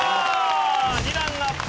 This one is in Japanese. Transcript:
２段アップ。